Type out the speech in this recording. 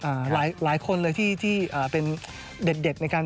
หลายคนเลยที่เป็นเด็ดในการ